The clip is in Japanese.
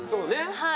はい。